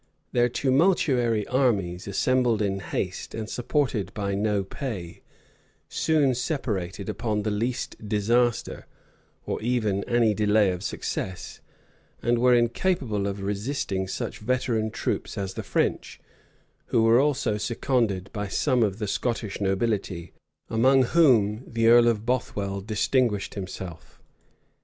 Their tumultuary armies, assembled in haste, and supported by no pay, soon separated upon the least disaster, or even any delay of success; and were incapable of resisting such veteran troops as the French, who were also seconded by some of the Scottish nobility, among whom the earl of Bothwell distinguished himself.